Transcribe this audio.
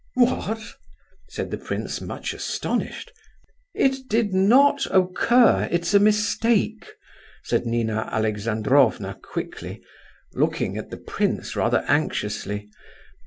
"What?" said the prince, much astonished. "It did not occur—it's a mistake!" said Nina Alexandrovna quickly, looking, at the prince rather anxiously.